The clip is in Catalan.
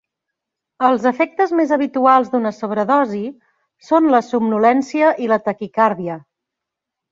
Els efectes més habituals d'una sobredosi són la somnolència i la taquicàrdia.